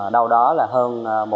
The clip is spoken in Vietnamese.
đâu đó là hơn